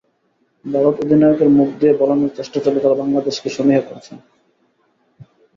ভারত অধিনায়কের মুখ দিয়ে বলানোর চেষ্টা চলে, তাঁরা বাংলাদেশকে সমীহ করছেন।